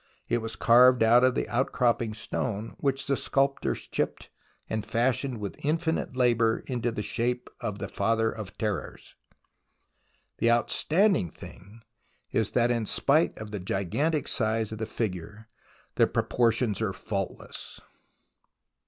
It was carved out of the outcropping stone, which the sculptors chipped and fashioned with infinite labour into the shape of the Father of Terrors. The astounding thing is that in spite of the gigantic size of the figure, the proportions are faultless.